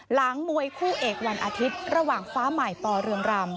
หลังมวยคู่เอกวันอาทิตย์ระหว่างฟ้าใหม่ปเรืองรำ